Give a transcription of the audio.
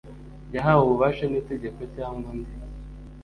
yahawe ububasha n itegeko cyangwa undi